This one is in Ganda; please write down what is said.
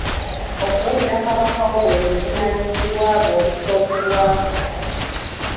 Okuwulira Kabaka wo bwe buvunaanyizibwa bwo obusookerwako.